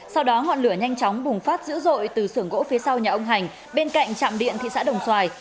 sau đó ngọn lửa nhanh chóng bùng phát dữ dội từ sưởng gỗ phía sau nhà ông hành bên cạnh trạm điện thị xã đồng xoài